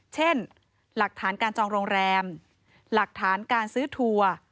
เช่นหลักฐานการจองโรงแรมหลักฐานการซื้อทัวร์